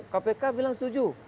kpk bilang setuju